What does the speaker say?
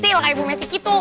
centil kayak bu messi gitu